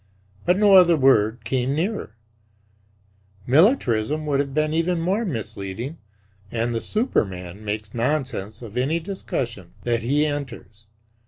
But no other word came nearer; "Militarism" would have been even more misleading, and "The Superman" makes nonsense of any discussion that he enters.